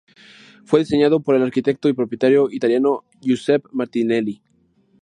Fue diseñado por el arquitecto y propietario italiano Giuseppe Martinelli.